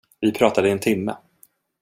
Vi pratade i en timme.